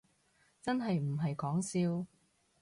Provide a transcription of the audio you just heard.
真係唔係講笑